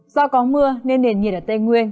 do có mưa nên nền nhiệt ở tây nguyên